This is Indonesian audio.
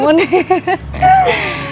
oh bisa aja